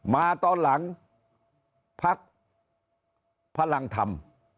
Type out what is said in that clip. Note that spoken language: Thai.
มาตอนหลังพักพลังธรรม